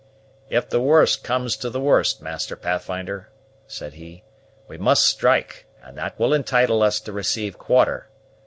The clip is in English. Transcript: "If the worst comes to the worst, Master Pathfinder," said he, "we must strike, and that will entitle us to receive quarter.